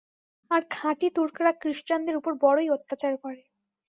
আর খাঁটি তুর্করা ক্রিশ্চানদের উপর বড়ই অত্যাচার করে।